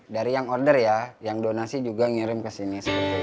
dari yang order ya yang donasi juga ngirim kesini